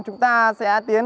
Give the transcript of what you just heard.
đứng lại tiếp